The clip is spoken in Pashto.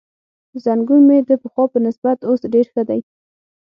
زنګون مې د پخوا په نسبت اوس ډېر ښه دی.